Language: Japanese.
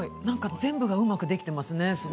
全部がうまくできていますね。